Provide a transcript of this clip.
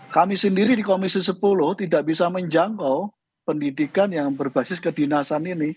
kami sendiri di komisi sepuluh tidak bisa menjangkau pendidikan yang berbasis kedinasan ini